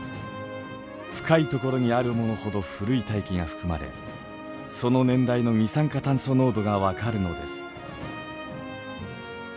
深いところにあるものほど古い大気が含まれその年代の二酸化炭素濃度が分かるのです。